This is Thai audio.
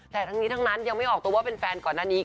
แต่ทั้งนี้ทั้งนั้นยังไม่ออกตัวว่าเป็นแฟนก่อนหน้านี้